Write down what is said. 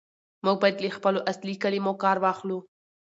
موږ بايد له خپلو اصلي کلمو کار واخلو.